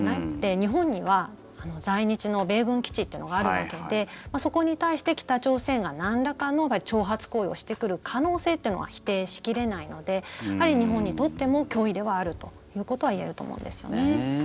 日本には、在日の米軍基地っていうのがあるわけでそこに対して北朝鮮がなんらかのが挑発行為をしてくる可能性っていうのは否定しきれないのでやはり日本にとっても脅威ではあるということは言えると思うんですよね。